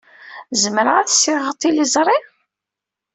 Zemreɣ ad ssiɣeɣ tiliẓri?